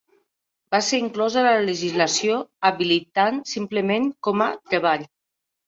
Va ser inclòs a la legislació habilitant simplement com a "Treball".